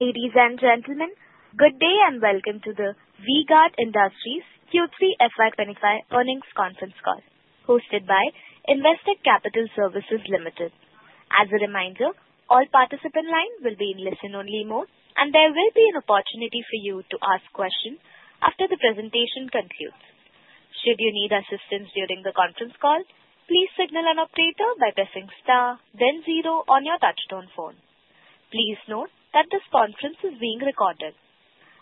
Ladies and gentlemen, good day and welcome to the V-Guard Industries Q3 FY25 earnings conference call, hosted by Investec Capital Services Limited. As a reminder, all participants' lines will be in listen-only mode, and there will be an opportunity for you to ask questions after the presentation concludes. Should you need assistance during the conference call, please signal an operator by pressing star, then zero on your touch-tone phone. Please note that this conference is being recorded.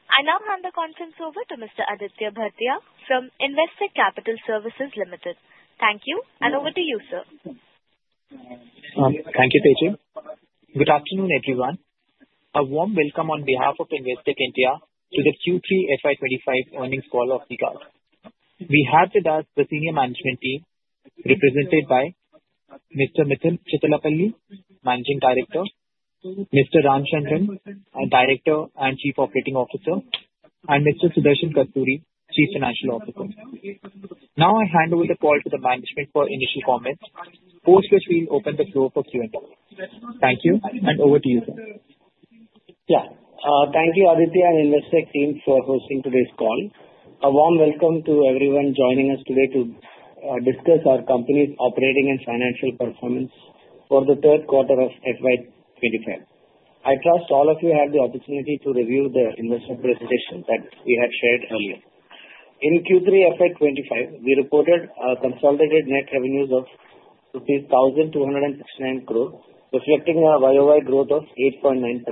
I now hand the conference over to Mr. Aditya Bhartia from Investec Capital Services Limited. Thank you, and over to you, sir. Thank you, Tessy. Good afternoon, everyone. A warm welcome on behalf of Investec India to the Q3 FY25 earnings call of V-Guard. We have with us the senior management team, represented by Mr. Mithun Chittilappilly, Managing Director, Mr. Ramachandran V, Director and Chief Operating Officer, and Mr. Sudarshan Kasturi, Chief Financial Officer. Now I hand over the call to the management for initial comments, after which we'll open the floor for Q&A. Thank you, and over to you, sir. Yeah. Thank you, Aditya and Investec team, for hosting today's call. A warm welcome to everyone joining us today to discuss our company's operating and financial performance for the third quarter of FY25. I trust all of you had the opportunity to review the investor presentation that we had shared earlier. In Q3 FY25, we reported consolidated net revenues of rupees 1,269 crore, reflecting a YOY growth of 8.9%.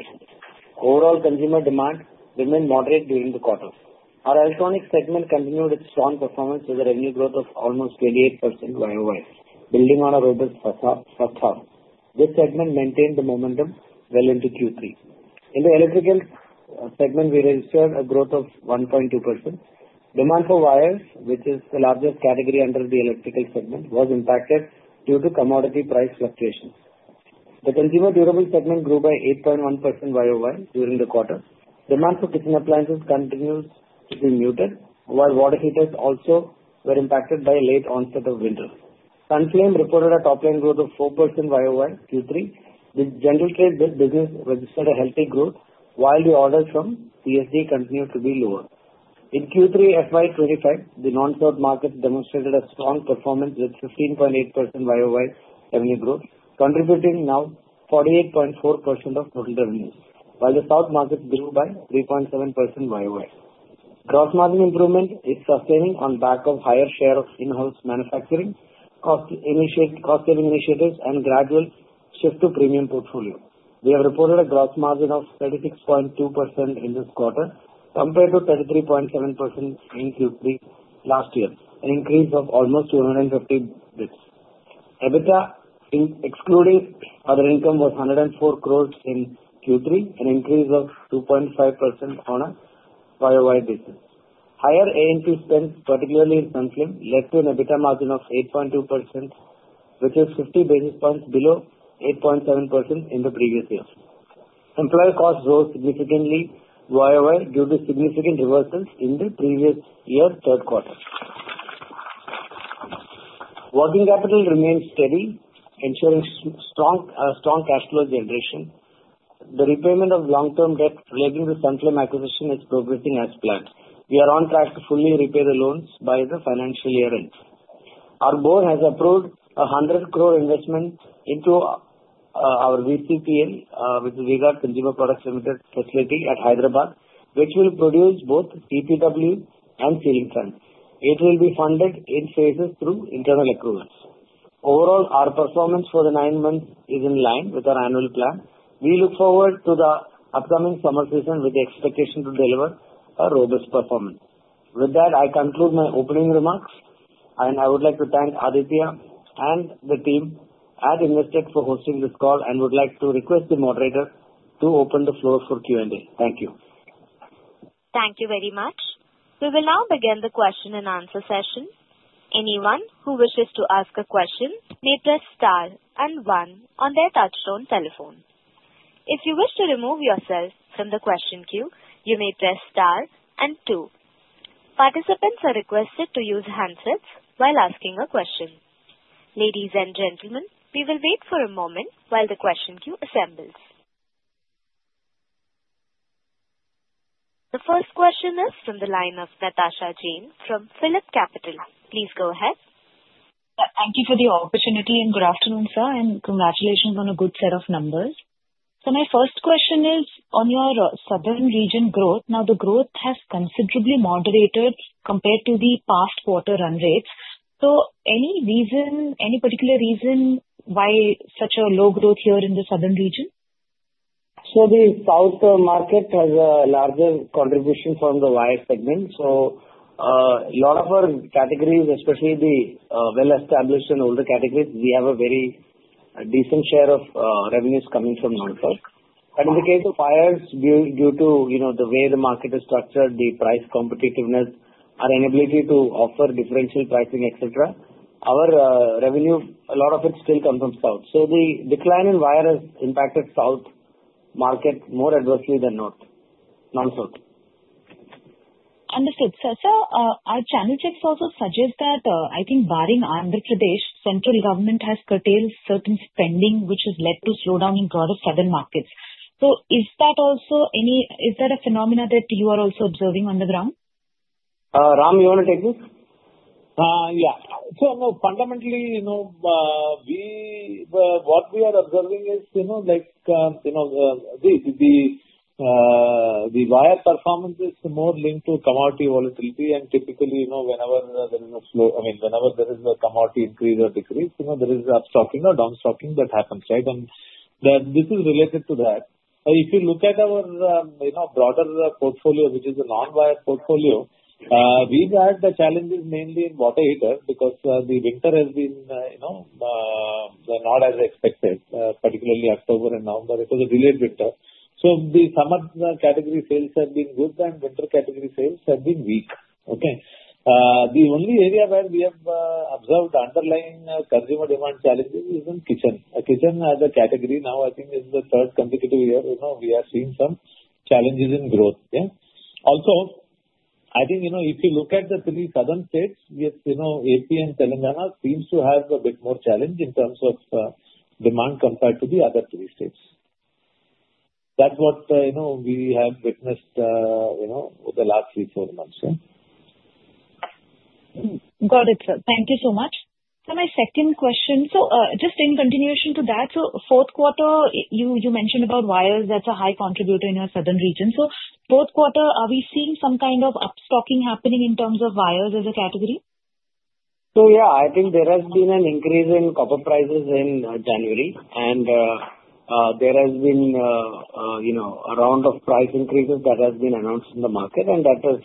Overall consumer demand remained moderate during the quarter. Our electronics segment continued its strong performance with a revenue growth of almost 28% YOY, building on a robust first half. This segment maintained the momentum well into Q3. In the electrical segment, we registered a growth of 1.2%. Demand for wires, which is the largest category under the electrical segment, was impacted due to commodity price fluctuations. The consumer durable segment grew by 8.1% YOY during the quarter. Demand for kitchen appliances continued to be muted, while water heaters also were impacted by late onset of winter. Sunflame reported a top-line growth of 4% YOY Q3. The general trade business registered a healthy growth, while the orders from CSD continued to be lower. In Q3 FY25, the non-South market demonstrated a strong performance with 15.8% YOY revenue growth, contributing now 48.4% of total revenue, while the South market grew by 3.7% YOY. Gross margin improvement is sustaining on the back of a higher share of in-house manufacturing, cost-saving initiatives, and a gradual shift to premium portfolio. We have reported a gross margin of 36.2% in this quarter, compared to 33.7% in Q3 last year, an increase of almost 250 basis points. EBITDA, excluding other income, was 104 crore in Q3, an increase of 2.5% on a YOY basis. Higher A&P spend, particularly in Sunflame, led to an EBITDA margin of 8.2%, which is 50 basis points below 8.7% in the previous year. Employee costs rose significantly YOY due to significant reversals in the previous year's third quarter. Working capital remains steady, ensuring strong cash flow generation. The repayment of long-term debt relating to Sunflame acquisition is progressing as planned. We are on track to fully repay the loans by the financial year. Our board has approved an 100 crore investment into our VCPL, V-Guard Consumer Products Limited facility at Hyderabad, which will produce both TPW and ceiling fans. It will be funded in phases through internal accruals. Overall, our performance for the nine months is in line with our annual plan. We look forward to the upcoming summer season with the expectation to deliver a robust performance. With that, I conclude my opening remarks, and I would like to thank Aditya and the team at Investec for hosting this call, and would like to request the moderator to open the floor for Q&A. Thank you. Thank you very much. We will now begin the question and answer session. Anyone who wishes to ask a question may press star and one on their touch-tone telephone. If you wish to remove yourself from the question queue, you may press star and two. Participants are requested to use handsets while asking a question. Ladies and gentlemen, we will wait for a moment while the question queue assembles. The first question is from the line of Natasha Jain from PhillipCapital. Please go ahead. Thank you for the opportunity and good afternoon, sir, and congratulations on a good set of numbers. So my first question is on your southern region growth. Now, the growth has considerably moderated compared to the past quarter run rates. So any reason, any particular reason why such a low growth here in the southern region? Actually, the South market has a larger contribution from the wire segment. So a lot of our categories, especially the well-established and older categories, we have a very decent share of revenues coming from non-South. But in the case of wires, due to the way the market is structured, the price competitiveness, our inability to offer differential pricing, etc., our revenue, a lot of it still comes from South. So the decline in wire has impacted South market more adversely than North, non-South. Understood. Sir, our channel checks also suggest that, I think, barring Andhra Pradesh, central government has curtailed certain spending, which has led to a slowdown in a lot of southern markets. So is that also a phenomenon that you are also observing on the ground? Ram, you want to take this? Yeah. So fundamentally, what we are observing is the wire performance is more linked to commodity volatility. And typically, whenever there is a slow, I mean, whenever there is a commodity increase or decrease, there is a stocking or downstocking that happens, right? And this is related to that. If you look at our broader portfolio, which is a non-wire portfolio, we've had the challenges mainly in water heaters because the winter has been not as expected, particularly October and November. It was a delayed winter. So the summer category sales have been good, and winter category sales have been weak. Okay? The only area where we have observed underlying consumer demand challenges is in kitchen. Kitchen as a category, now, I think, is the third consecutive year we are seeing some challenges in growth. Yeah? Also, I think if you look at the three southern states, AP and Telangana seems to have a bit more challenge in terms of demand compared to the other three states. That's what we have witnessed over the last three, four months. Yeah? Got it, sir. Thank you so much. So my second question, so just in continuation to that, so fourth quarter, you mentioned about wires. That's a high contributor in your southern region. So fourth quarter, are we seeing some kind of upstocking happening in terms of wires as a category? Yeah, I think there has been an increase in copper prices in January, and there has been a round of price increases that has been announced in the market, and that has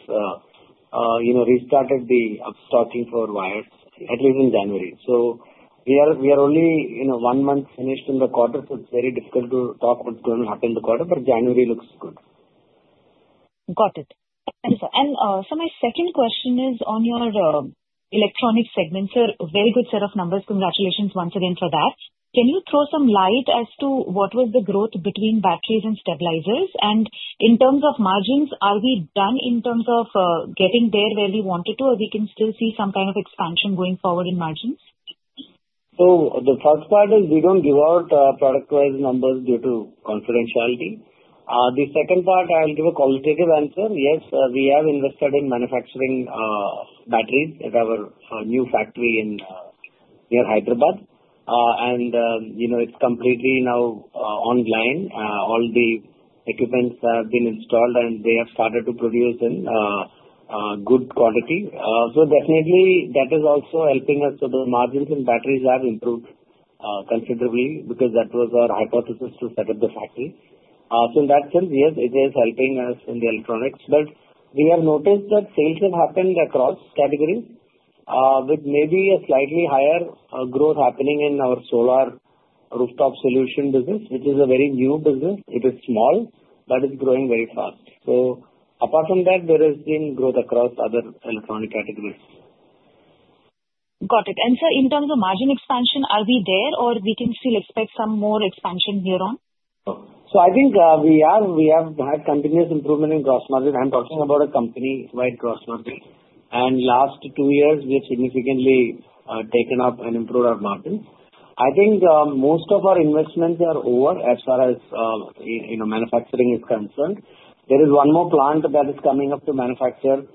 restarted the restocking for wires, at least in January. We are only one month finished in the quarter, so it's very difficult to talk what's going to happen in the quarter, but January looks good. Got it, and so my second question is on your electronics segment, sir. Very good set of numbers. Congratulations once again for that. Can you throw some light as to what was the growth between batteries and stabilizers? And in terms of margins, are we done in terms of getting there where we wanted to, or we can still see some kind of expansion going forward in margins? So the first part is we don't give out product-wise numbers due to confidentiality. The second part, I'll give a qualitative answer. Yes, we have invested in manufacturing batteries at our new factory near Hyderabad, and it's completely now online. All the equipment has been installed, and they have started to produce in good quality. So definitely, that is also helping us, so the margins in batteries have improved considerably because that was our hypothesis to set up the factory. So in that sense, yes, it is helping us in the electronics, but we have noticed that sales have happened across categories with maybe a slightly higher growth happening in our solar rooftop solution business, which is a very new business. It is small, but it's growing very fast. So apart from that, there has been growth across other electronic categories. Got it. And sir, in terms of margin expansion, are we there, or we can still expect some more expansion here on? So I think we have had continuous improvement in gross margin. I'm talking about a company-wide gross margin, and last two years, we have significantly taken up and improved our margins. I think most of our investments are over as far as manufacturing is concerned. There is one more plant that is coming up to manufacture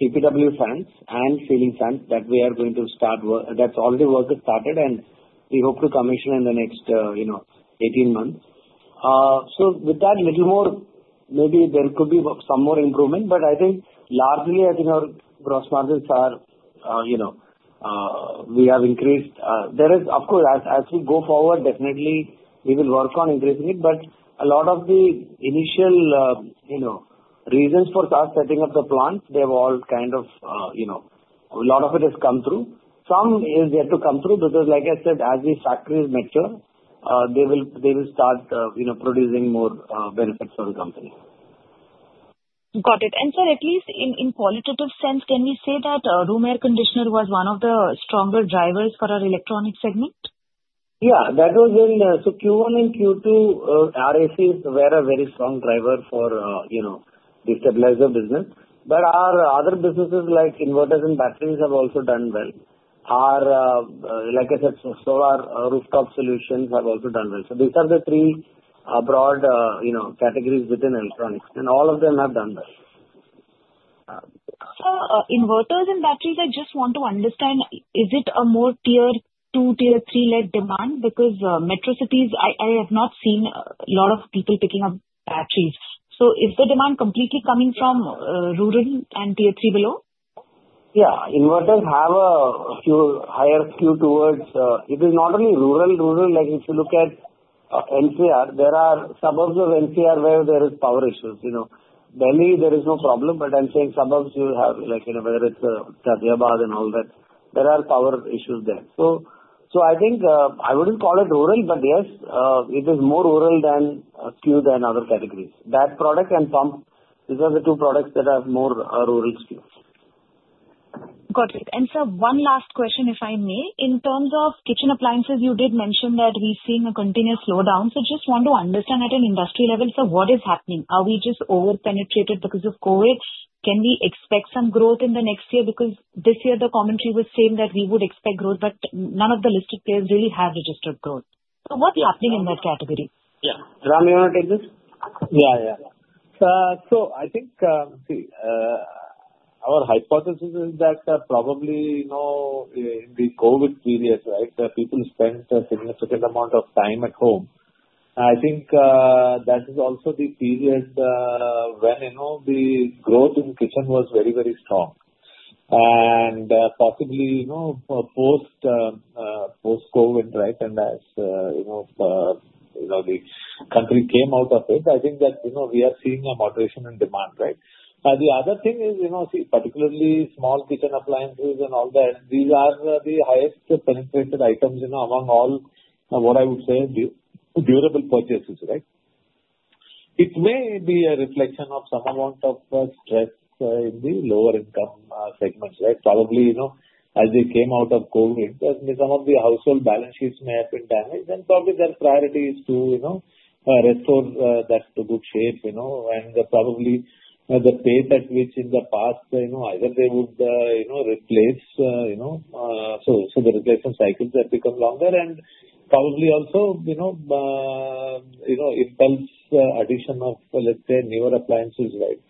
TPW fans and ceiling fans that we are going to start work that's already started, and we hope to commission in the next 18 months. With that, a little more, maybe there could be some more improvement, but I think largely, I think our gross margins, we have increased. There is, of course, as we go forward, definitely, we will work on increasing it, but a lot of the initial reasons for us setting up the plants, they've all kind of a lot of it has come through. Some is yet to come through because, like I said, as these factories mature, they will start producing more benefits for the company. Got it. And sir, at least in a qualitative sense, can we say that room air conditioner was one of the stronger drivers for our electronics segment? Yeah. That was in so Q1 and Q2, RACs were a very strong driver for the stabilizer business. But our other businesses like inverters and batteries have also done well. Our, like I said, solar rooftop solutions have also done well, so these are the three broad categories within electronics, and all of them have done well. Inverters and batteries, I just want to understand, is it a more tier two, tier three-led demand? Because metro cities, I have not seen a lot of people picking up batteries. So is the demand completely coming from rural and tier three below? Yeah. Inverters have a higher skew towards it. It is not only rural. Rural, like if you look at NCR, there are suburbs of NCR where there are power issues. Delhi, there is no problem, but I'm saying suburbs, you have whether it's Ghaziabad and all that, there are power issues there. So I think I wouldn't call it rural, but yes, it is more rural-skewed than other categories. That product and pumps, these are the two products that have more rural skew. Got it. And sir, one last question, if I may. In terms of kitchen appliances, you did mention that we're seeing a continuous slowdown. So just want to understand at an industry level, so what is happening? Are we just over-penetrated because of COVID? Can we expect some growth in the next year? Because this year, the commentary was saying that we would expect growth, but none of the listed players really have registered growth. So what's happening in that category? Yeah. Ram, you want to take this? Yeah. Yeah. So I think, see, our hypothesis is that probably in the COVID period, right, people spent a significant amount of time at home. I think that is also the period when the growth in the kitchen was very, very strong. And possibly post-COVID, right, and as the country came out of it, I think that we are seeing a moderation in demand, right? The other thing is, see, particularly small kitchen appliances and all that, these are the highest penetrated items among all what I would say are durable purchases, right? It may be a reflection of some amount of stress in the lower-income segment, right? Probably as they came out of COVID, some of the household balance sheets may have been damaged, and probably their priority is to restore that to good shape. And probably the pace at which in the past, either they would replace, so the replacement cycles have become longer, and probably also impulse addition of, let's say, newer appliances, right?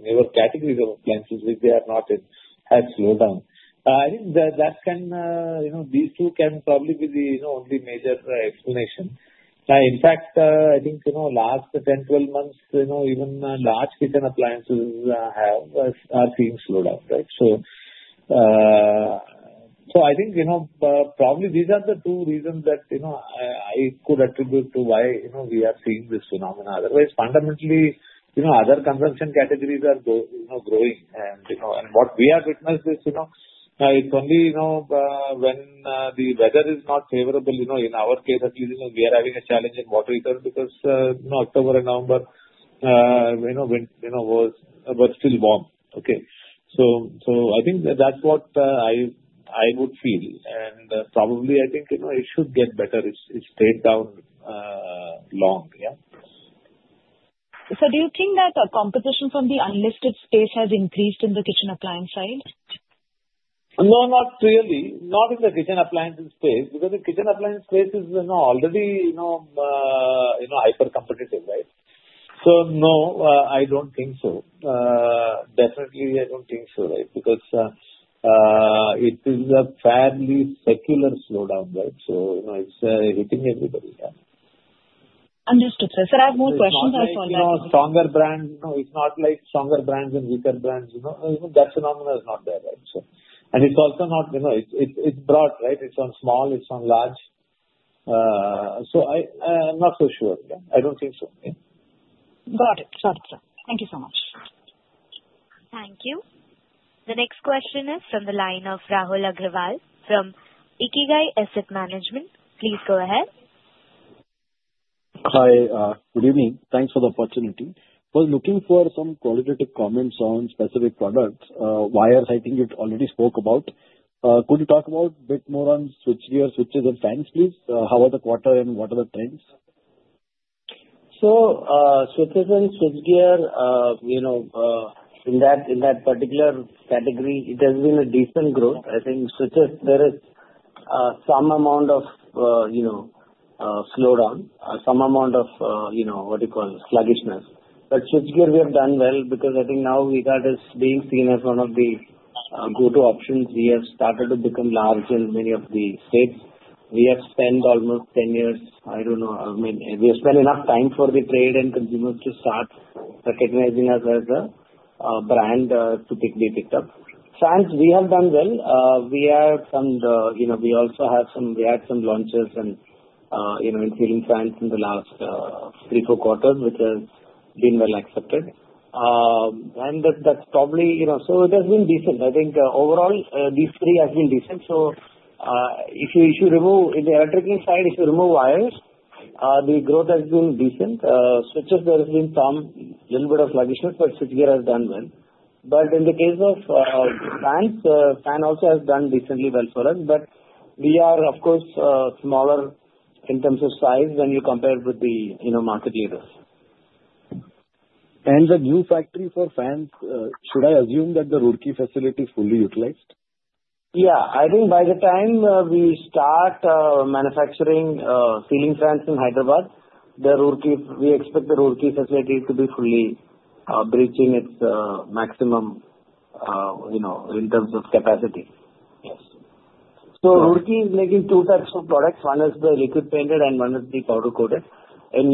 Newer categories of appliances, which they are not in, have slowed down. I think these two can probably be the only major explanation. In fact, I think last 10 months, 12 months, even large kitchen appliances are seeing slowdown, right? So I think probably these are the two reasons that I could attribute to why we are seeing this phenomenon. Otherwise, fundamentally, other consumption categories are growing. And what we have witnessed is it's only when the weather is not favorable. In our case, at least, we are having a challenge in water heater because October and November were still warm. Okay? So I think that's what I would feel. And probably I think it should get better. It's stayed down long. Yeah? Do you think that competition from the unlisted space has increased in the kitchen appliance side? No, not really. Not in the kitchen appliances space because the kitchen appliances space is already hyper-competitive, right? So no, I don't think so. Definitely, I don't think so, right? Because it is a fairly secular slowdown, right? So it's hitting everybody. Yeah. Understood, sir. Sir, I have more questions. I apologize. Stronger brands, no. It's not like stronger brands and weaker brands. That phenomenon is not there, right? And it's also not; it's broad, right? It's on small, it's on large. So I'm not so sure. I don't think so. Yeah. Got it. Got it, sir. Thank you so much. Thank you. The next question is from the line of Rahul Agarwal from Ikigai Asset Management. Please go ahead. Hi. Good evening. Thanks for the opportunity. I was looking for some qualitative comments on specific products. Wires, I think you already spoke about. Could you talk a bit more on switchgear, switches, and fans, please? How are they in the quarter and what are the trends? Switches and switchgear, in that particular category, it has been a decent growth. I think switches, there is some amount of slowdown, some amount of what do you call it? Sluggishness. But switchgear, we have done well because I think now we got as being seen as one of the go-to options. We have started to become large in many of the states. We have spent almost 10 years. I don't know. I mean, we have spent enough time for the trade and consumers to start recognizing us as a brand to be picked up. Fans, we have done well. We also had some launches and ceiling fans in the last three, four quarters, which has been well accepted. And that's probably so it has been decent. I think overall, these three have been decent. So if you remove in the electrical side, if you remove wires, the growth has been decent. Switches, there has been some little bit of sluggishness, but switchgear has done well. But in the case of fans, fan also has done decently well for us, but we are, of course, smaller in terms of size when you compare with the market leaders. The new factory for fans, should I assume that the Roorkee facility is fully utilized? Yeah. I think by the time we start manufacturing ceiling fans in Hyderabad, we expect the Roorkee facility to be fully reaching its maximum in terms of capacity. Yes. So Roorkee is making two types of products. One is the liquid-painted and one is the powder-coated. In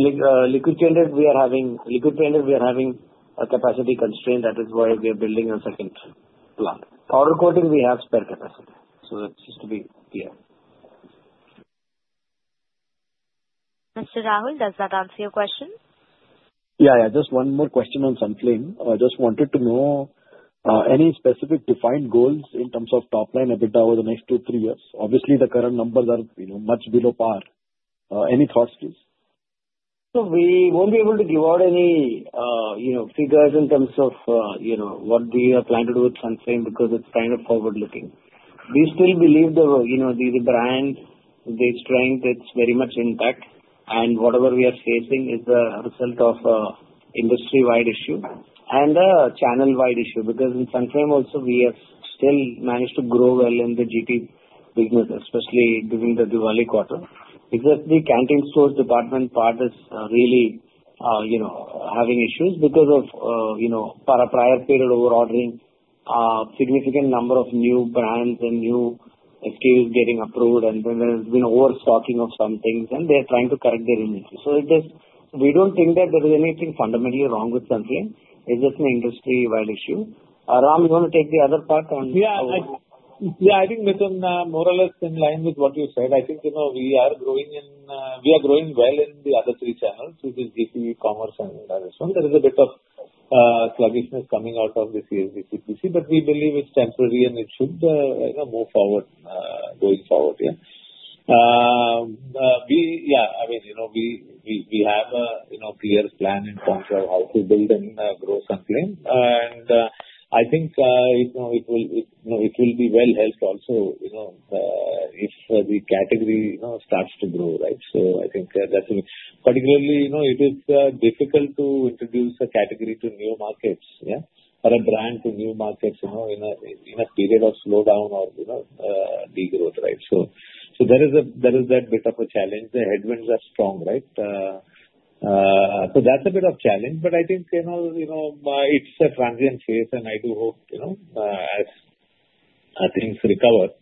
liquid-painted, we are having a capacity constraint. That is why we are building a second plant. Powder-coating, we have spare capacity. So that seems to be clear. Mr. Rahul, does that answer your question? Yeah. Yeah. Just one more question on Sunflame. I just wanted to know any specific defined goals in terms of top line EBITDA over the next two, three years. Obviously, the current numbers are much below par. Any thoughts, please? So we won't be able to give out any figures in terms of what we are planning to do with Sunflame because it's kind of forward-looking. We still believe the brand, the strength, it's very much intact, and whatever we are facing is a result of industry-wide issue and a channel-wide issue. Because in Sunflame also, we have still managed to grow well in the GT business, especially during the Diwali quarter. Because the Canteen Stores Department part is really having issues because of prior period over-ordering, a significant number of new brands and new SKUs getting approved, and then there has been overstocking of some things, and they are trying to correct their inventories. So we don't think that there is anything fundamentally wrong with Sunflame. It's just an industry-wide issue. Ram, you want to take the other part on? Yeah. Yeah. I think more or less in line with what you said. I think we are growing well in the other three channels, which is GT, e-commerce, and other stuff. There is a bit of sluggishness coming out of the CSD CPC, but we believe it's temporary and it should move forward going forward. Yeah. Yeah. I mean, we have a clear plan in terms of how to build and grow Sunflame. And I think it will be well-helped also if the category starts to grow, right? So I think that's particularly it is difficult to introduce a category to new markets, yeah, or a brand to new markets in a period of slowdown or degrowth, right? So there is that bit of a challenge. The headwinds are strong, right? So that's a bit of a challenge, but I think it's a transient phase, and I do hope as things recover,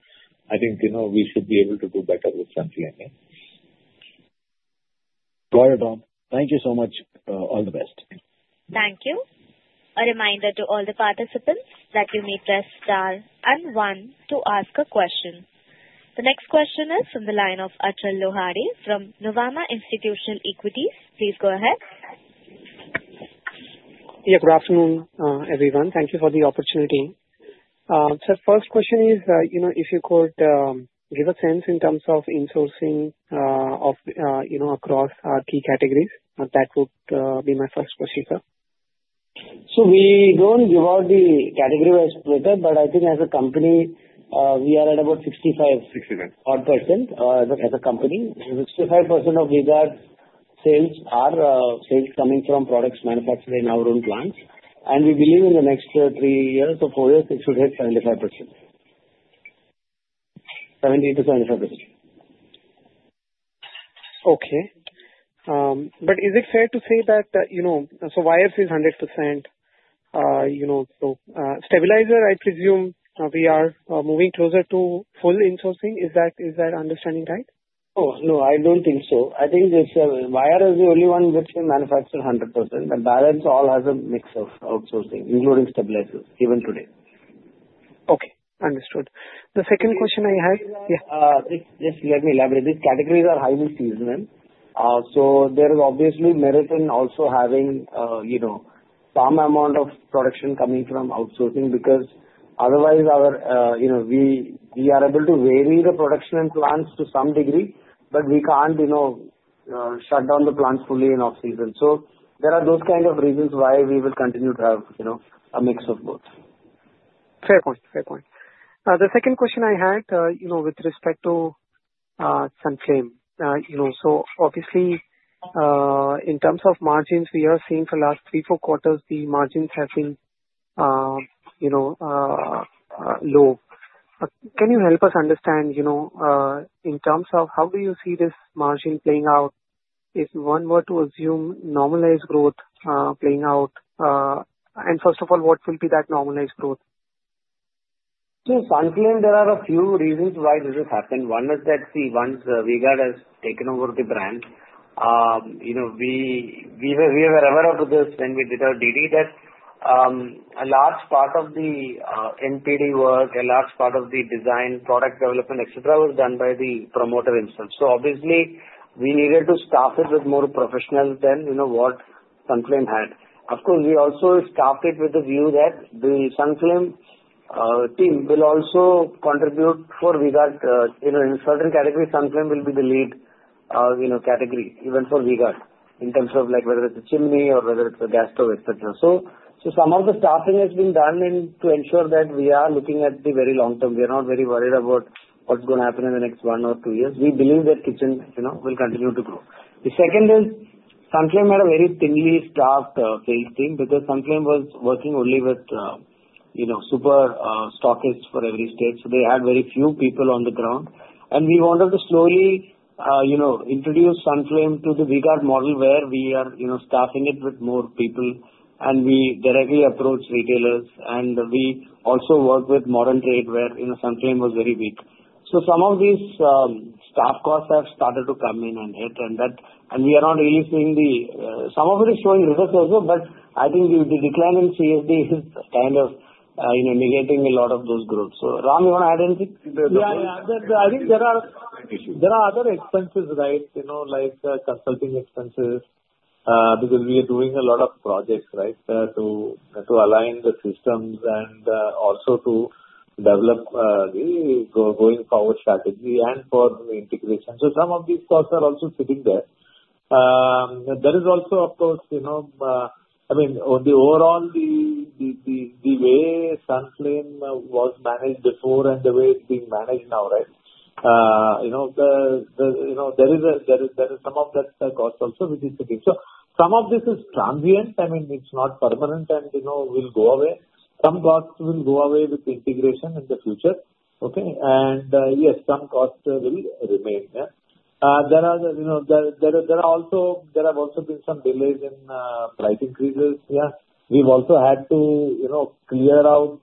I think we should be able to do better with Sunflame. Yeah. Got it, Ram. Thank you so much. All the best. Thank you. A reminder to all the participants that you may press star and one to ask a question. The next question is from the line of Achal Lohade from Nuvama Institutional Equities. Please go ahead. Yeah. Good afternoon, everyone. Thank you for the opportunity. Sir, first question is, if you could give a sense in terms of insourcing across key categories, that would be my first question, sir. We don't give out the category-wise split, but I think as a company, we are at about 65%. 65%. As a company, 65% of V-Guard sales are sales coming from products manufactured in our own plants, and we believe in the next three years or four years, it should hit 75%, 70%-75%. Okay. But is it fair to say that so wires is 100%? So stabilizer, I presume we are moving closer to full insourcing. Is that understanding right? Oh, no. I don't think so. I think wire is the only one which we manufacture 100%. The balance all has a mix of outsourcing, including stabilizers, even today. Okay. Understood. The second question I had. Just let me elaborate. These categories are highly seasonal. So there is obviously merit in also having some amount of production coming from outsourcing because otherwise we are able to vary the production and plants to some degree, but we can't shut down the plants fully in off-season. So there are those kinds of reasons why we will continue to have a mix of both. Fair point. Fair point. The second question I had with respect to Sunflame. So obviously, in terms of margins, we are seeing for the last three, four quarters, the margins have been low. Can you help us understand in terms of how do you see this margin playing out if one were to assume normalized growth playing out? And first of all, what will be that normalized growth? So Sunflame, there are a few reasons why this has happened. One is that see, once V-Guard has taken over the brand, we were aware of this when we did our DD that a large part of the NPD work, a large part of the design, product development, etc., was done by the promoter himself. So obviously, we needed to staff it with more professionals than what Sunflame had. Of course, we also staffed it with the view that the Sunflame team will also contribute for V-Guard. In certain categories, Sunflame will be the lead category, even for V-Guard, in terms of whether it's a chimney or whether it's a gas stove, etc. So some of the staffing has been done to ensure that we are looking at the very long term. We are not very worried about what's going to happen in the next one or two years. We believe that kitchen will continue to grow. The second is Sunflame had a very thinly staffed sales team because Sunflame was working only with super stockists for every state. So they had very few people on the ground, and we wanted to slowly introduce Sunflame to the V-Guard model where we are staffing it with more people, and we directly approach retailers. We also work with modern trade where Sunflame was very weak. So some of these staff costs have started to come in and hit, and we are not really seeing the some of it is showing results also, but I think the decline in CSD is kind of negating a lot of those growth. So Ram, you want to add anything? Yeah. Yeah. I think there are other expenses, right? Like consulting expenses because we are doing a lot of projects, right, to align the systems and also to develop the going forward strategy and for the integration. So some of these costs are also sitting there. There is also, of course, I mean, overall, the way Sunflame was managed before and the way it's being managed now, right? There is some of that cost also, which is sitting. So some of this is transient. I mean, it's not permanent and will go away. Some costs will go away with integration in the future. Okay? And yes, some costs will remain. Yeah? There have also been some delays in price increases. Yeah? We've also had to clear out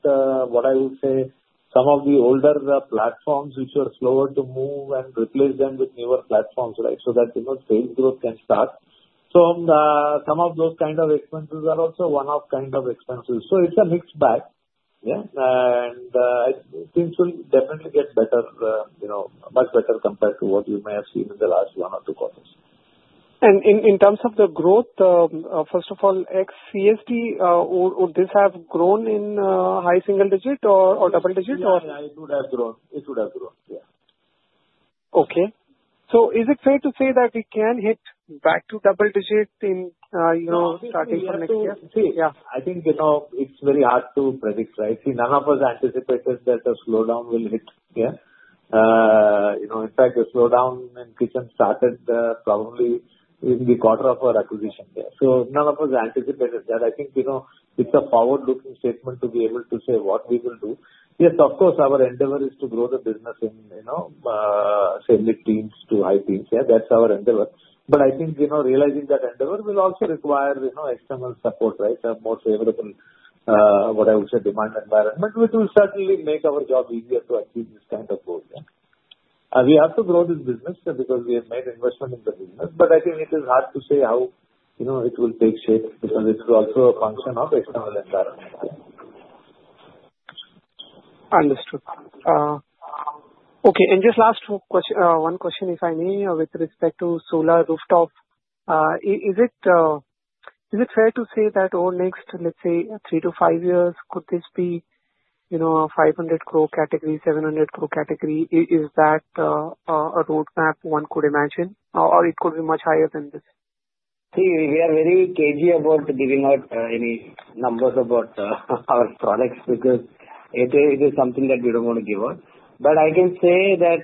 what I would say some of the older platforms, which were slower to move and replace them with newer platforms, right, so that sales growth can start. So some of those kinds of expenses are also one-off kinds of expenses. So it's a mixed bag. Yeah? And things will definitely get better, much better compared to what you may have seen in the last one or two quarters. In terms of the growth, first of all, CSD, would this have grown in high single digit or double digit or? Yeah. Yeah. It would have grown. It would have grown. Yeah. Okay. So is it fair to say that we can hit back to double digit starting from next year? See, I think it's very hard to predict, right? See, none of us anticipated that a slowdown will hit. Yeah? In fact, the slowdown in kitchen started probably in the quarter of our acquisition. Yeah? So none of us anticipated that. I think it's a forward-looking statement to be able to say what we will do. Yes, of course, our endeavor is to grow the business in single digits to high teens. Yeah? That's our endeavor. But I think realizing that endeavor will also require external support, right, a more favorable, what I would say, demand environment, which will certainly make our job easier to achieve this kind of growth. Yeah? We have to grow this business because we have made investment in the business, but I think it is hard to say how it will take shape because it's also a function of external environment. Understood. Okay. And just last one question, if I may, with respect to solar rooftop. Is it fair to say that over next, let's say, three to five years, could this be a 500-crore category, 700-crore category? Is that a roadmap one could imagine, or it could be much higher than this? See, we are very cagey about giving out any numbers about our products because it is something that we don't want to give out. But I can say that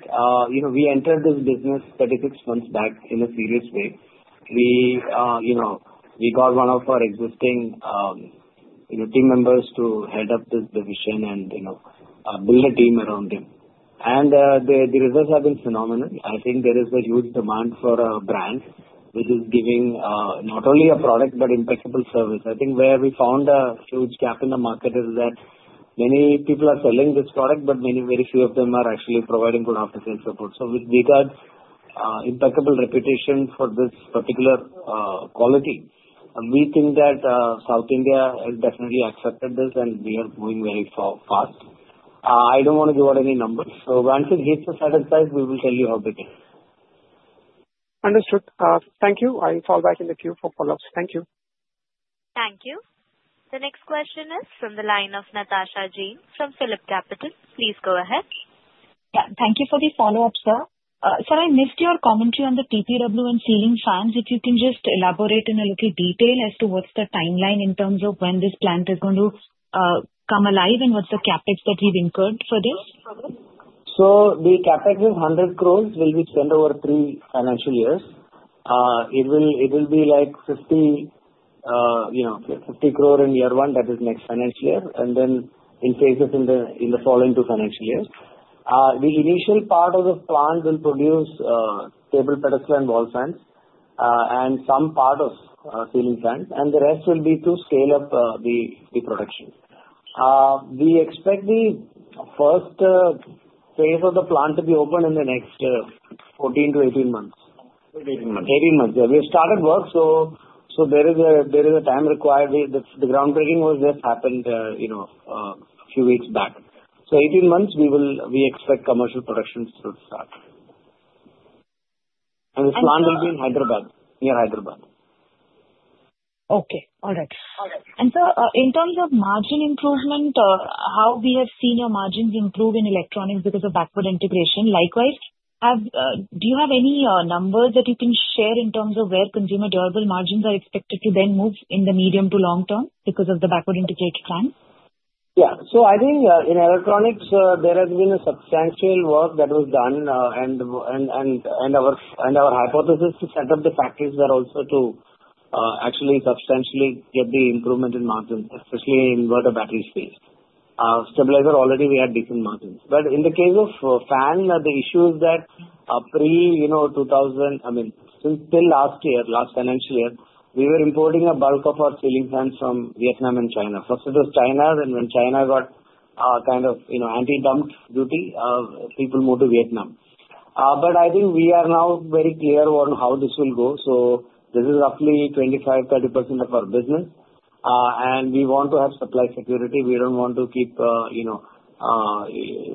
we entered this business 36 months back in a serious way. We got one of our existing team members to head up this division and build a team around him. And the results have been phenomenal. I think there is a huge demand for a brand which is giving not only a product but impeccable service. I think where we found a huge gap in the market is that many people are selling this product, but very few of them are actually providing good after-sales support. So with V-Guard's impeccable reputation for this particular quality, we think that South India has definitely accepted this, and we are moving very fast. I don't want to give out any numbers. So once it hits a certain size, we will tell you how big it is. Understood. Thank you. I'll fall back in the queue for follow-ups. Thank you. Thank you. The next question is from the line of Natasha Jain from PhillipCapital. Please go ahead. Yeah. Thank you for the follow-up, sir. Sir, I missed your commentary on the TPW and ceiling fans. If you can just elaborate in a little detail as to what's the timeline in terms of when this plant is going to come alive and what's the CapEx that you've incurred for this? The CapEx is 100 crores will be spent over three financial years. It will be like 50 crore in year one, that is next financial year, and then in phases in the following two financial years. The initial part of the plant will produce table pedestal wall fans and some part of ceiling fans, and the rest will be to scale up the production. We expect the first phase of the plant to be open in the next 14 months-18 months. 18 months. 18 months. Yeah. We have started work, so there is a time required. The groundbreaking was just happened a few weeks back. So 18 months, we expect commercial productions to start, and the plant will be in Hyderabad, near Hyderabad. Okay. All right. And sir, in terms of margin improvement, how we have seen your margins improve in electronics because of backward integration. Likewise, do you have any numbers that you can share in terms of where consumer durable margins are expected to then move in the medium to long term because of the backward integrated fans? Yeah. So I think in electronics, there has been substantial work that was done, and our hypothesis to set up the factories were also to actually substantially get the improvement in margins, especially in inverter battery space. Stabilizer, already we had decent margins. But in the case of fan, the issue is that pre-2020, I mean, till last year, last financial year, we were importing a bulk of our ceiling fans from Vietnam and China. First, it was China, then when China got kind of anti-dumping duty, people moved to Vietnam. But I think we are now very clear on how this will go. So this is roughly 25%-30% of our business, and we want to have supply security. We don't want to keep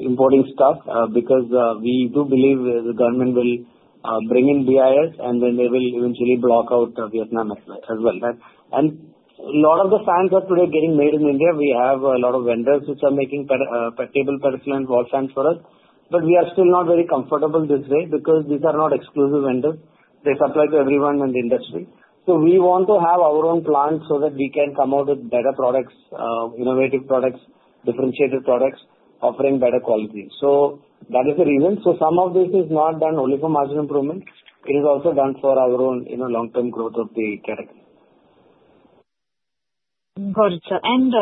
importing stuff because we do believe the government will bring in BIS, and then they will eventually block out Vietnam as well. A lot of the fans that we are getting made in India, we have a lot of vendors which are making table pedestal wall fans for us, but we are still not very comfortable this way because these are not exclusive vendors. They supply to everyone in the industry. So we want to have our own plant so that we can come out with better products, innovative products, differentiated products, offering better quality. So that is the reason. So some of this is not done only for margin improvement. It is also done for our own long-term growth of the category. Got it, sir, and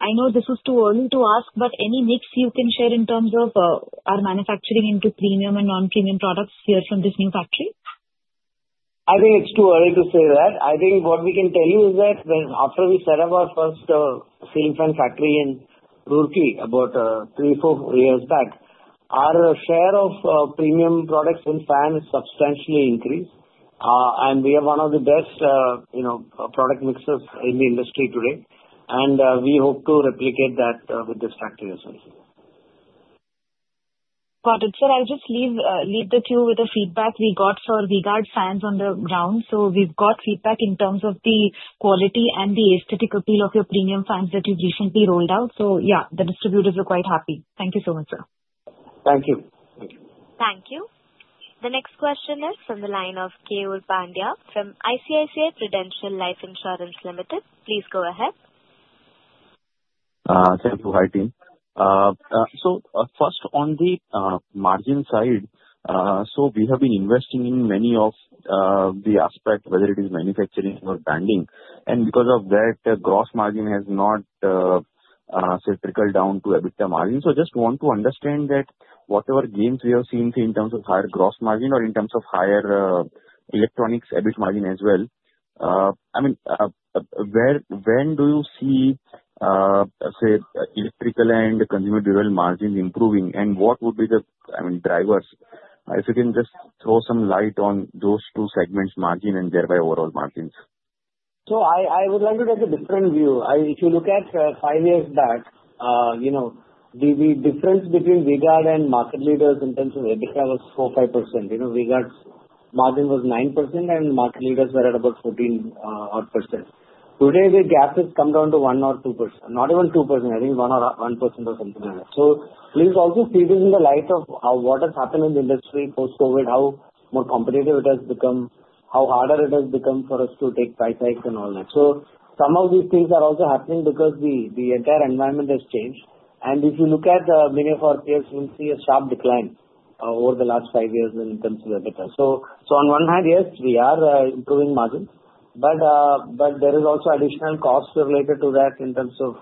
I know this is too early to ask, but any mix you can share in terms of our manufacturing into premium and non-premium products here from this new factory? I think it's too early to say that. I think what we can tell you is that after we set up our first ceiling fan factory in Roorkee about three, four years back, our share of premium products in fans substantially increased, and we are one of the best product mixes in the industry today. And we hope to replicate that with this factory as well. Got it. Sir, I'll just leave the queue with the feedback we got for V-Guard fans on the ground. So we've got feedback in terms of the quality and the aesthetic appeal of your premium fans that you've recently rolled out. So yeah, the distributors are quite happy. Thank you so much, sir. Thank you. Thank you. The next question is from the line of Keyur Pandya from ICICI Prudential Life Insurance Limited. Please go ahead. Thank you, hi team. So first, on the margin side, so we have been investing in many of the aspects, whether it is manufacturing or branding. And because of that, gross margin has not trickled down to EBITDA margin. So I just want to understand that whatever gains we have seen in terms of higher gross margin or in terms of higher electronics EBIT margin as well, I mean, when do you see, say, electrical and consumer durable margins improving, and what would be the, I mean, drivers? If you can just throw some light on those two segments, margin and thereby overall margins. So I would like to take a different view. If you look at five years back, the difference between V-Guard and market leaders in terms of EBITDA was 4%-5%. V-Guard's margin was 9%, and market leaders were at about 14-odd percent. Today, the gap has come down to 1%-2%. Not even 2%. I think 1% or something like that. So please also see this in the light of what has happened in the industry post-COVID, how more competitive it has become, how harder it has become for us to take price hikes and all that. So some of these things are also happening because the entire environment has changed. And if you look at many of our peers, you'll see a sharp decline over the last five years in terms of EBITDA. So on one hand, yes, we are improving margins, but there is also additional costs related to that in terms of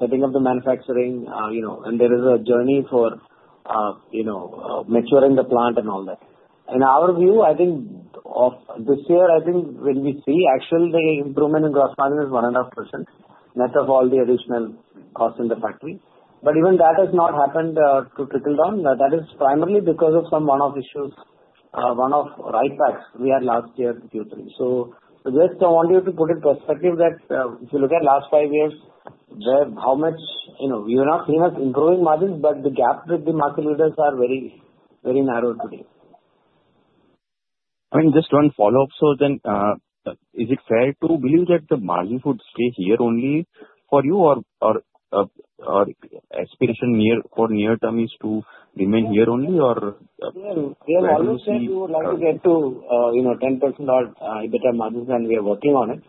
setting up the manufacturing, and there is a journey for maturing the plant and all that. In our view, I think of this year, I think when we see actual improvement in gross margin is 1.5% net of all the additional costs in the factory. But even that has not happened to trickle down. That is primarily because of some one-off issues, one-off write-backs we had last year Q3. So just I want you to put in perspective that if you look at last five years, how much we are not seeing as improving margins, but the gap with the market leaders are very narrow today. I mean, just one follow-up. So then is it fair to believe that the margin should stay here only for you, or expectation for near-term is to remain here only, or? We have always said we would like to get to 10% odd EBITDA margins when we are working on it.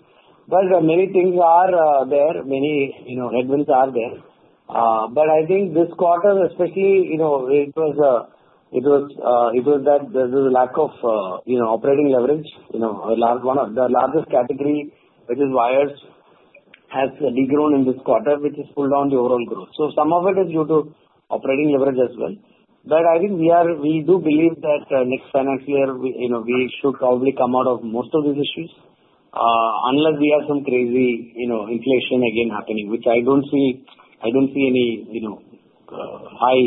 But many things are there. Many headwinds are there. But I think this quarter, especially, it was that there is a lack of operating leverage. The largest category, which is wires, has not grown in this quarter, which has pulled down the overall growth. So some of it is due to operating leverage as well. But I think we do believe that next financial year, we should probably come out of most of these issues unless we have some crazy inflation again happening, which I don't see any high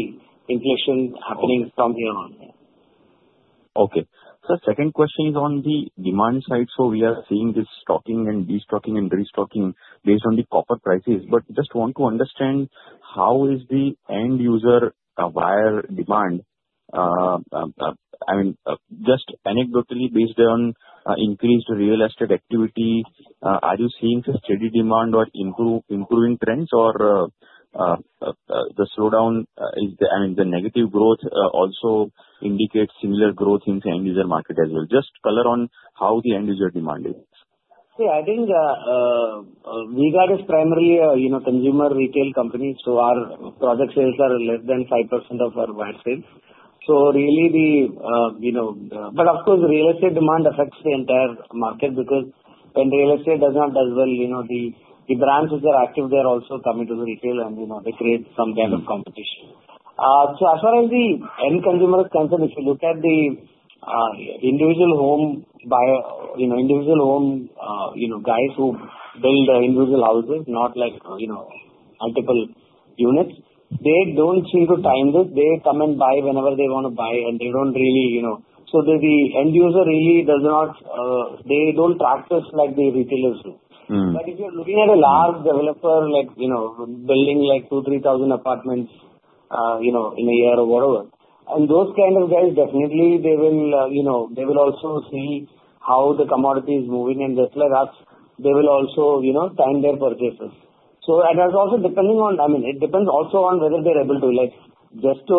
inflation happening from here on. Okay. So second question is on the demand side. So we are seeing this stocking and destocking and restocking based on the copper prices. But just want to understand how is the end user wire demand? I mean, just anecdotally, based on increased real estate activity, are you seeing a steady demand or improving trends, or the slowdown, I mean, the negative growth also indicates similar growth in the end user market as well? Just color on how the end user demand is. See, I think V-Guard is primarily a consumer retail company. So our product sales are less than 5% of our wire sales. So really, but of course, real estate demand affects the entire market because when real estate does not do as well, the brands which are active there also come into the retail, and they create some kind of competition. So as far as the end consumer is concerned, if you look at the individual home buyer, individual home guys who build individual houses, not multiple units, they don't seem to time this. They come and buy whenever they want to buy, and they don't really so the end user really does not practice like the retailers do. But if you're looking at a large developer building like 2 thousand -3 thousand apartments in a year or whatever, and those kind of guys, definitely, they will also see how the commodity is moving. And just like us, they will also time their purchases. So it has also depending on. I mean, it depends also on whether they're able to just to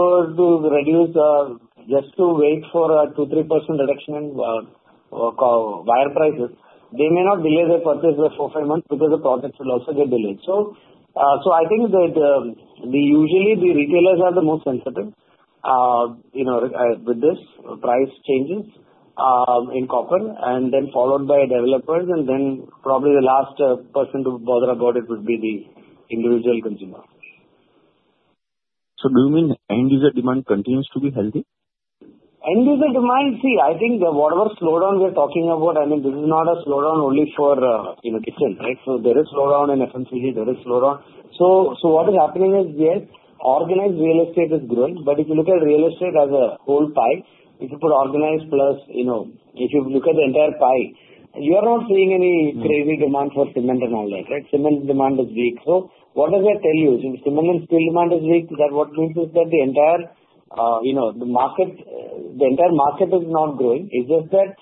reduce or just to wait for a 2%-3% reduction in wire prices, they may not delay their purchase by 4 months-5 months because the products will also get delayed. So I think that usually, the retailers are the most sensitive with these price changes in copper, and then followed by developers. And then probably the last person to bother about it would be the individual consumer. So do you mean end user demand continues to be healthy? End-user demand, see, I think whatever slowdown we are talking about, I mean, this is not a slowdown only for kitchen, right? So there is slowdown in FMCG. There is slowdown. So what is happening is, yes, organized real estate is growing. But if you look at real estate as a whole pie, if you put organized plus if you look at the entire pie, you are not seeing any crazy demand for cement and all that, right? Cement demand is weak. So what does that tell you? If cement and steel demand is weak, that what means is that the entire market, the entire market is not growing. It's just that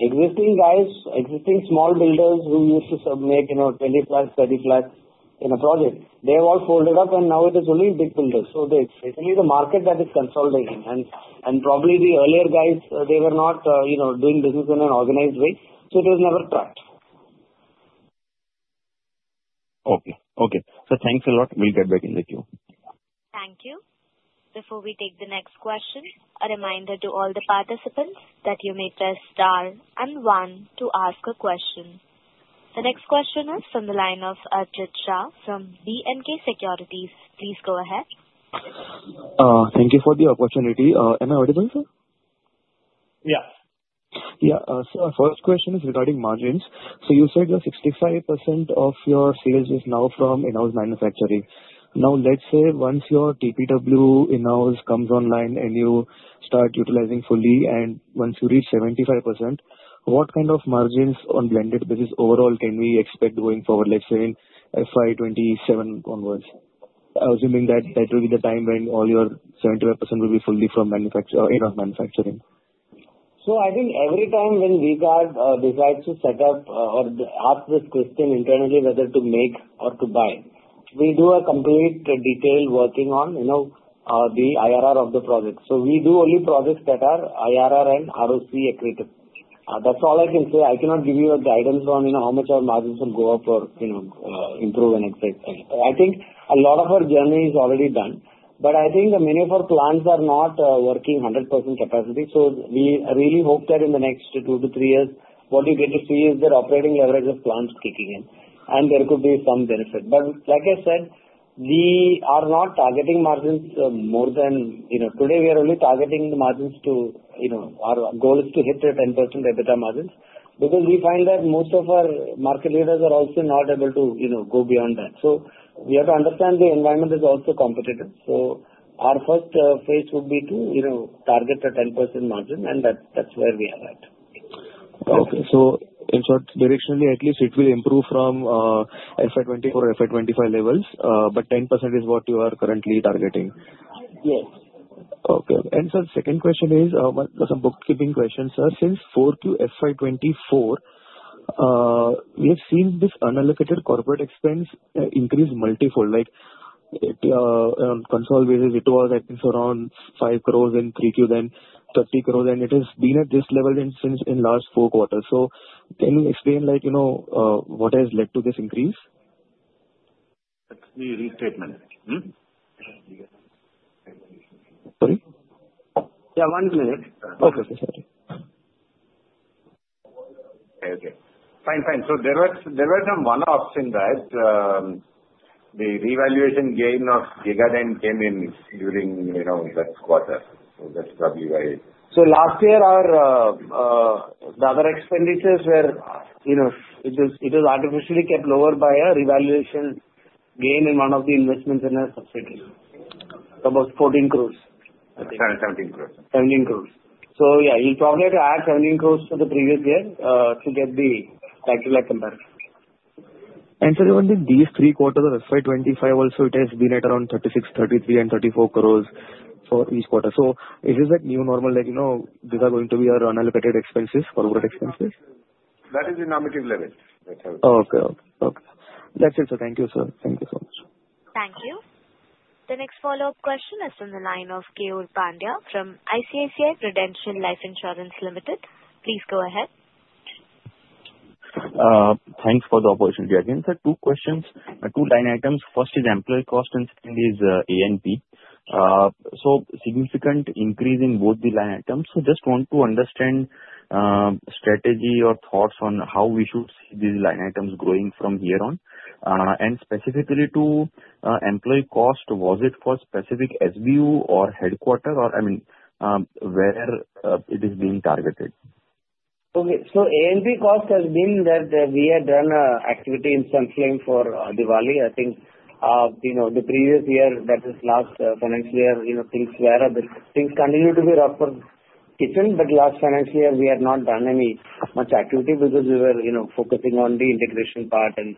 existing guys, existing small builders who used to submit 20 plus, 30 plus in a project, they have all folded up, and now it is only big builders. So it's really the market that is consolidating. And probably the earlier guys, they were not doing business in an organized way. So it has never cracked. Okay. Okay. So thanks a lot. We'll get back in the queue. Thank you. Before we take the next question, a reminder to all the participants that you may press star and one to ask a question. The next question is from the line of Archit Shah from B&K Securities. Please go ahead. Thank you for the opportunity. Am I audible, sir? Yes. Yeah. So our first question is regarding margins. So you said 65% of your sales is now from in-house manufacturing. Now, let's say once your TPW in-house comes online and you start utilizing fully, and once you reach 75%, what kind of margins on blended business overall can we expect going forward, let's say in FY 2027 onwards? Assuming that that will be the time when all your 75% will be fully from in-house manufacturing. I think every time when V-Guard decides to set up or ask this question internally, whether to make or to buy, we do a complete detailed working on the IRR of the project. We do only projects that are IRR and ROCE accretive. That's all I can say. I cannot give you guidance on how much our margins will go up or improve and excel. I think a lot of our journey is already done. Many of our plants are not working 100% capacity. We really hope that in the next two to three years, what we get to see is the operating leverage of plants kicking in, and there could be some benefit. But, like I said, we are not targeting margins more than today, we are only targeting the margins to our goal is to hit 10% EBITDA margins because we find that most of our market leaders are also not able to go beyond that. So, we have to understand the environment is also competitive. So, our first phase would be to target a 10% margin, and that's where we are at. Okay. So in short, directionally, at least it will improve from FY 2024 or FY 2025 levels, but 10% is what you are currently targeting. Yes. Okay. And so the second question is some bookkeeping questions, sir. Since 4Q FY 2024, we have seen this unallocated corporate expense increase multiple. On a consolidated basis, it was at least around 5 crores in 3Q, then 30 crores, and it has been at this level since in last four quarters. So can you explain what has led to this increase? Let me read statement. Sorry? Yeah, one minute. Okay. Okay. Sorry. So there were some one-offs in that. The revaluation gain of V-Guard came in during that quarter. So that's probably why. So last year, our other expenditures were artificially kept lower by a revaluation gain in one of the investments in a subsidiary, about 14 crores. 17 crores. 17 crores. So yeah, you'll probably have to add 17 crores to the previous year to get the factory comparison. In these three quarters of FY 2025 also, it has been at around 36 crore, 33 crore, and 34 crore for each quarter. Is this a new normal that these are going to be our unallocated expenses, corporate expenses? That is the normative level. Okay. That's it. So thank you, sir. Thank you so much. Thank you. The next follow-up question is from the line of Keyur Pandya from ICICI Prudential Life Insurance Limited. Please go ahead. Thanks for the opportunity. Again, sir, two questions, two line items. First is employee cost, and second is A&P. So significant increase in both the line items. So just want to understand strategy or thoughts on how we should see these line items growing from here on. And specifically to employee cost, was it for specific SBU or headquarters or, I mean, where it is being targeted? Okay. So A&P cost has been that we had done activity in Sunflame for Diwali. I think the previous year, that is last financial year, things continued to be rough for kitchen, but last financial year, we had not done any much activity because we were focusing on the integration part and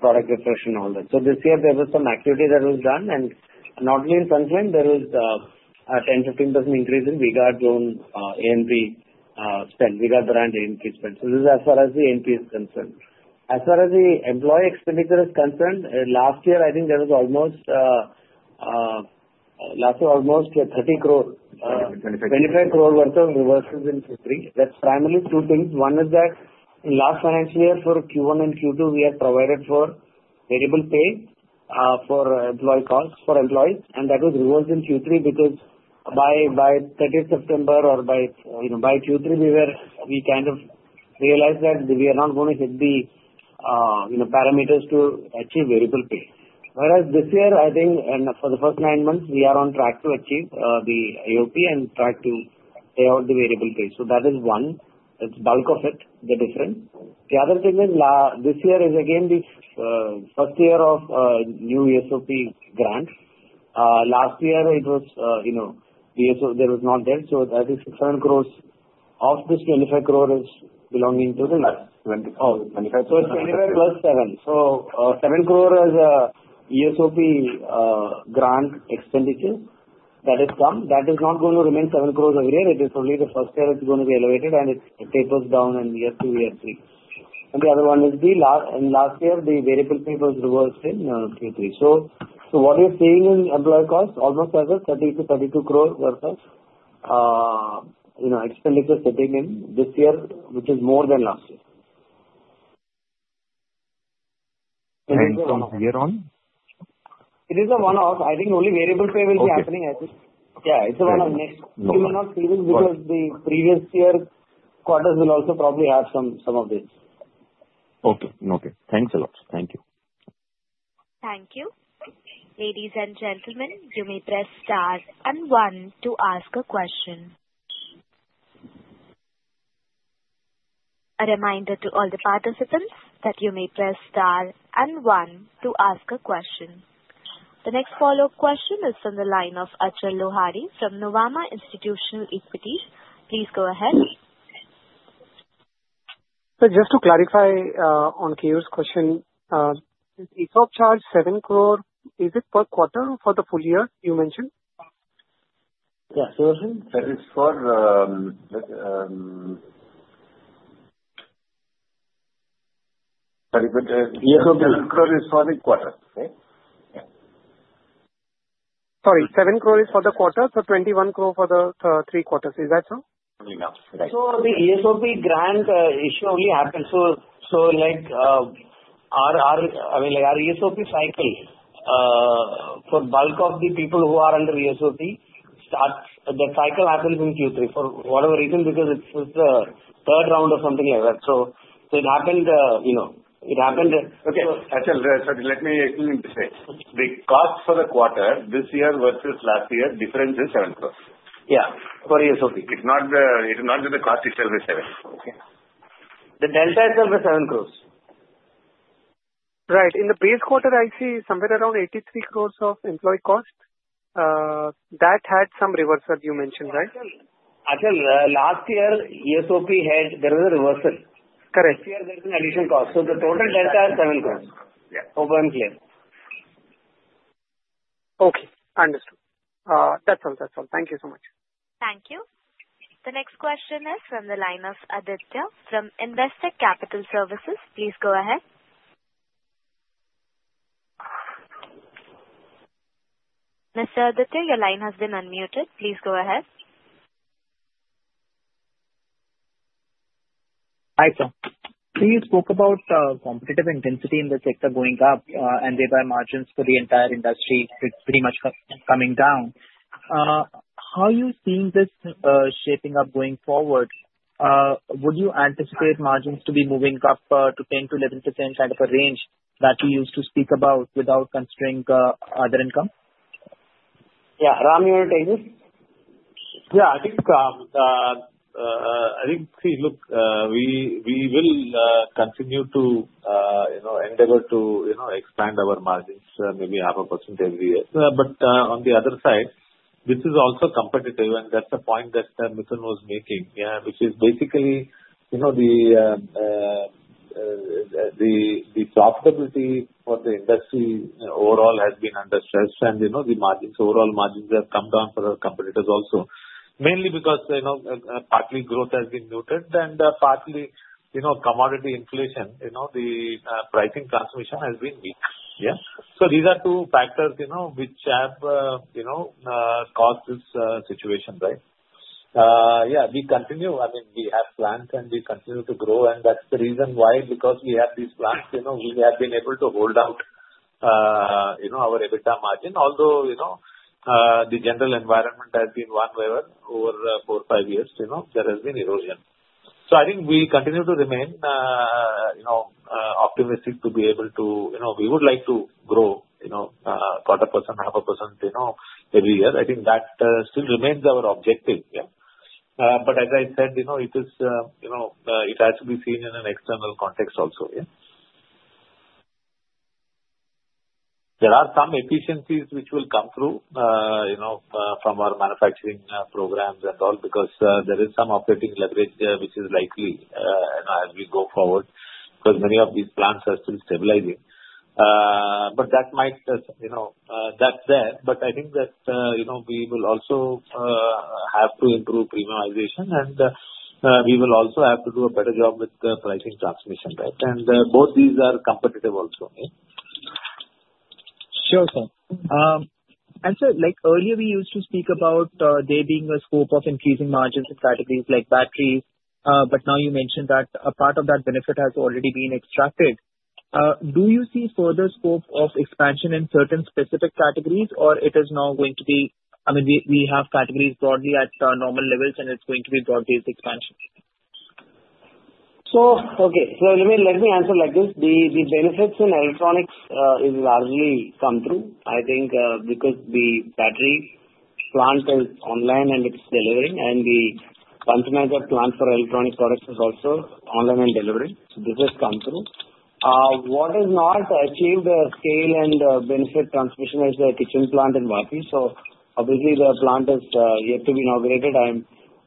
product refresh and all that. So this year, there was some activity that was done, and not only in Sunflame, there was a 10%-15% increase in V-Guard's own A&P spend, V-Guard brand A&P spend. So this is as far as the A&P is concerned. As far as the employee expenditure is concerned, last year, I think there was almost INR 25-INR 30 crore worth of reversals in Q3. That's primarily two things. One is that in last financial year for Q1 and Q2, we had provided for variable pay for employee costs for employees, and that was reversed in Q3 because by 30th September or by Q3, we kind of realized that we are not going to hit the parameters to achieve variable pay. Whereas this year, I think, and for the first nine months, we are on track to achieve the AOP and try to pay out the variable pay. So that is one. That's bulk of it, the difference. The other thing is this year is again the first year of new ESOP grants. Last year, it was not there. So that is 7 crore. Of this, 25 crore is belonging to the. 25 crores. 25 crores. So it's 25 plus 7. So 7 crores as ESOP grant expenditures that have come. That is not going to remain 7 crores over here. It is only the first year it's going to be elevated, and it tapers down in year two, year three. And the other one is the last year, the variable pay was reversed in Q3. So what we are seeing is employee costs almost as a 30-32 crores worth of expenditures sitting in this year, which is more than last year. It's a one-off year on? It is a one-off. I think only variable pay will be happening at this. Yeah, it's a one-off next. You may not see this because the previous year quarters will also probably have some of this. Okay. Okay. Thanks a lot. Thank you. Thank you. Ladies and gentlemen, you may press star and one to ask a question. A reminder to all the participants that you may press star and one to ask a question. The next follow-up question is from the line of Achal Lohade from Nuvama Institutional Equities. Please go ahead. So just to clarify on Keyur's question, the ESOP charge 7 crores, is it per quarter or for the full year you mentioned? Yeah. So it's for. ESOP charge? INR 7 crores is for the quarter, right? Yeah. Sorry. 7 crores is for the quarter, so 21 crores for the three quarters. Is that so? Right. So the ESOP grant issue only happens. So I mean, our ESOP cycle for bulk of the people who are under ESOP, the cycle happens in Q3 for whatever reason because it's the third round or something like that. So it happened. The cost for the quarter this year versus last year, difference is 7 crores. Yeah. For ESOP. It's not that the cost itself is seven. Okay. The delta itself is 7 crores. Right. In the base quarter, I see somewhere around 83 crores of employee cost. That had some reversal you mentioned, right? Actually, last year, ESOP, there was a reversal. Correct. This year, there's an additional cost. So the total delta is 7 crores. Yeah. Hope I'm clear. Okay. Understood. That's all. That's all. Thank you so much. Thank you. The next question is from the line of Aditya from Investec Capital Services. Please go ahead. Mr. Aditya, your line has been unmuted. Please go ahead. Hi, sir. Please talk about competitive intensity in the sector going up and thereby margins for the entire industry. It's pretty much coming down. How are you seeing this shaping up going forward? Would you anticipate margins to be moving up to 10%-11% out of a range that you used to speak about without considering other income? Yeah. Ram, you want to take this? Yeah. I think, see, look, we will continue to endeavor to expand our margins, maybe 0.5% every year, but on the other side, this is also competitive, and that's a point that Mithun was making, which is basically the profitability for the industry overall has been under stress, and the margins, overall margins have come down for our competitors also, mainly because partly growth has been muted and partly commodity inflation. The pricing transmission has been weak. Yeah, so these are two factors which have caused this situation, right? Yeah, we continue. I mean, we have plans, and we continue to grow, and that's the reason why because we have these plans. We have been able to hold out our EBITDA margin, although the general environment has been one way over four, five years. There has been erosion. So I think we continue to remain optimistic to be able to. We would like to grow 0.25%, 0.5% every year. I think that still remains our objective. Yeah. But as I said, it has to be seen in an external context also. Yeah. There are some efficiencies which will come through from our manufacturing programs and all because there is some operating leverage which is likely as we go forward because many of these plants are still stabilizing. But that might. That's there. But I think that we will also have to improve premiumization, and we will also have to do a better job with pricing transmission, right? And both these are competitive also. Sure, sir. And sir, earlier, we used to speak about there being a scope of increasing margins in categories like batteries, but now you mentioned that a part of that benefit has already been extracted. Do you see further scope of expansion in certain specific categories, or it is now going to be, I mean, we have categories broadly at normal levels, and it's going to be broad-based expansion? Okay. Let me answer like this. The benefits in electronics have largely come through, I think, because the battery plant is online, and it's delivering, and the consumer plant for electronic products is also online and delivering. This has come through. What has not achieved the scale and benefit transmission is the kitchen plant in Vapi. Obviously, the plant has yet to be inaugurated.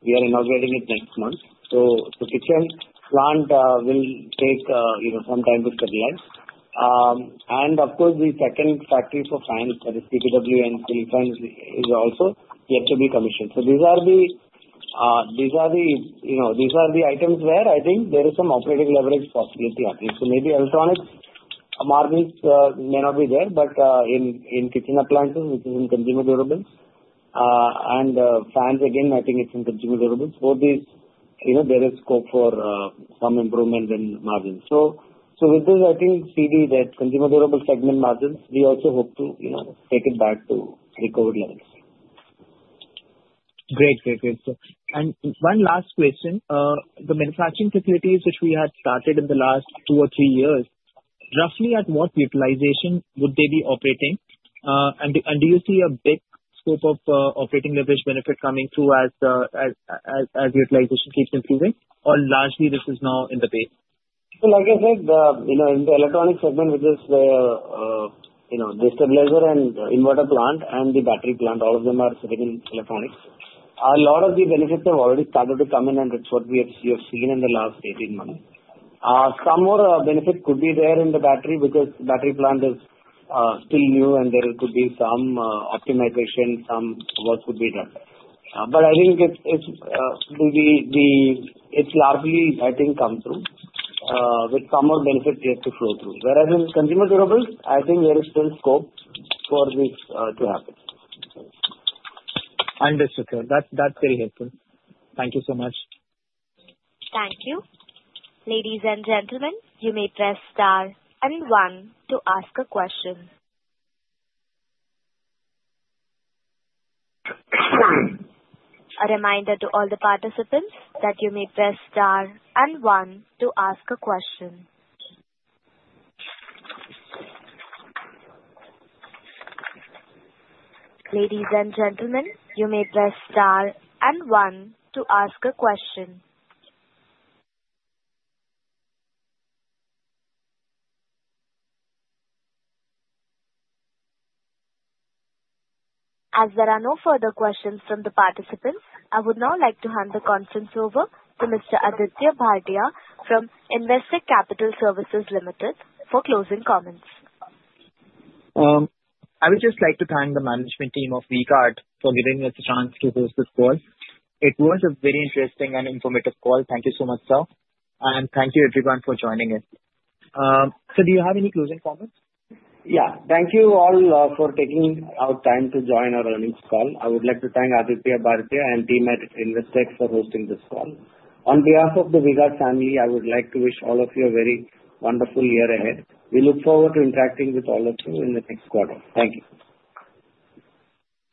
We are inaugurating it next month. The kitchen plant will take some time to stabilize. Of course, the second factory for fans, that is TPW and ceiling fans, is also yet to be commissioned. These are the items where I think there is some operating leverage possibility on this. Maybe electronics margins may not be there, but in kitchen appliances, which is in consumer durables. Finance, again, I think it's in consumer durables. For these, there is scope for some improvement in margins. So with this, I think, CD, that consumer durable segment margins, we also hope to take it back to the COVID levels. Great. Great. Great. And one last question. The manufacturing facilities which we had started in the last two or three years, roughly at what utilization would they be operating? And do you see a big scope of operating leverage benefit coming through as utilization keeps improving, or largely this is now in the base? So like I said, in the electronics segment, which is where the stabilizer and inverter plant and the battery plant, all of them are sitting in electronics, a lot of the benefits have already started to come in, and it's what we have seen in the last 18 months. Some more benefit could be there in the battery because the battery plant is still new, and there could be some optimization, some work could be done. But I think it's largely, I think, come through with some more benefits yet to flow through. Whereas in consumer durables, I think there is still scope for this to happen. Understood, sir. That's very helpful. Thank you so much. Thank you. Ladies and gentlemen, you may press star and one to ask a question. A reminder to all the participants that you may press star and one to ask a question. Ladies and gentlemen, you may press star and one to ask a question. As there are no further questions from the participants, I would now like to hand the conference over to Mr. Aditya Bhartia from Investec Capital Services Limited for closing comments. I would just like to thank the management team of V-Guard for giving us a chance to host this call. It was a very interesting and informative call. Thank you so much, sir, and thank you, everyone, for joining us. Sir, do you have any closing comments? Yeah. Thank you all for taking out time to join our earnings call. I would like to thank Aditya Bhartia and team at Investec for hosting this call. On behalf of the V-Guard family, I would like to wish all of you a very wonderful year ahead. We look forward to interacting with all of you in the next quarter. Thank you.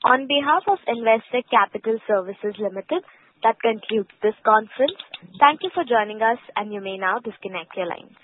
On behalf of Investec Capital Services Limited, that concludes this conference. Thank you for joining us, and you may now disconnect your lines.